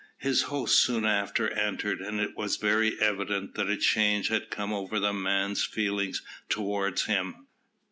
His host soon after entered, and it was very evident that a change had come over the man's feelings towards him.